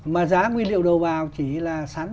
mà giá nguyên liệu đầu vào chỉ là sẵn